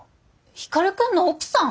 光くんの奥さん！？